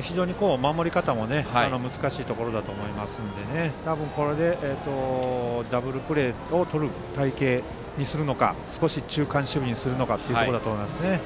非常に守り方も難しいところだと思いますので多分、これでダブルプレーをとる隊形にするのか少し中間守備にするのかというところだと思いますね。